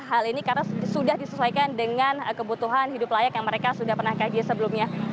hal ini karena sudah disesuaikan dengan kebutuhan hidup layak yang mereka sudah pernah kaji sebelumnya